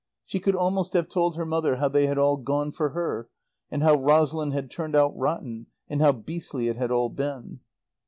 She could almost have told her mother how they had all gone for her, and how Rosalind had turned out rotten, and how beastly it had all been.